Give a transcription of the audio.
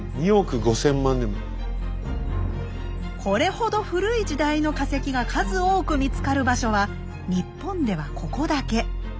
これほど古い時代の化石が数多く見つかる場所は日本ではここだけ。